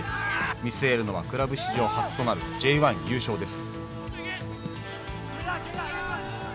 見据えるのはクラブ史上初となるＪ１優勝です。